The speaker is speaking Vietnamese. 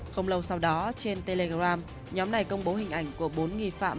không lâu sau đó trên telegram nhóm này công bố hình ảnh của bốn nghi phạm